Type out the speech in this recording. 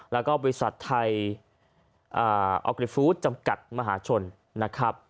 แล้วก็บริษัทไทยออกริฟู้ดจำกัดมหาชนนะครับ